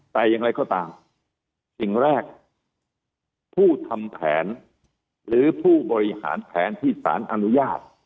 แต่อย่างไรก็ตามสิ่งแรกผู้ทำแผนหรือผู้บริหารแผนที่สารอนุญาต